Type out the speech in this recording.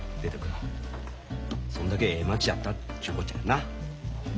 そんだけええ町やったっちゅうこっちゃな。